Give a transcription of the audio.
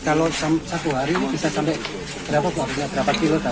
kalau satu hari bisa sampai berapa berapa kilo sate